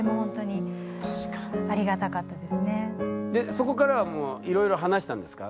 そこからはもういろいろ話したんですか？